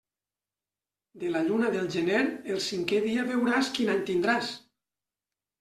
De la lluna del gener el cinquè dia veuràs quin any tindràs.